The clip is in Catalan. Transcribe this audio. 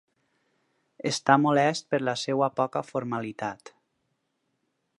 Està molest per la seva poca formalitat.